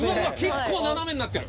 結構斜めになってる。